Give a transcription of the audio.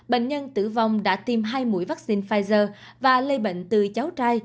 bệnh nhân tử vong đã tiêm hai mũi vaccine pfizer và lây bệnh từ cháu trai